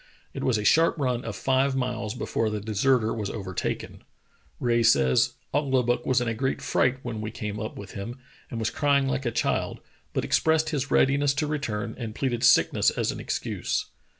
It was a sharp run of five miles before the deserter was over taken. Rae says: "Ouglibuck was in a great fright when we came up with him, and was crying like a child, but expressed his readiness to return, and pleaded sickness as an excuse."